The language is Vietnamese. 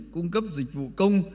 cung cấp dịch vụ công